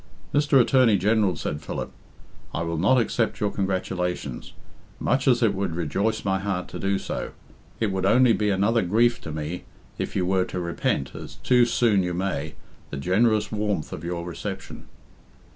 "Mr. Attorney General," said Philip, "I will not accept your congratulations, much as it would rejoice my heart to do so. It would only be another grief to me if you were to repent, as too soon you may, the generous warmth of your reception."